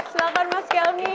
silakan mas kelmi